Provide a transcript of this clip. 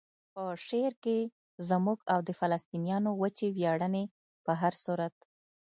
په شعر کې زموږ او د فلسطینیانو وچې ویاړنې په هر صورت.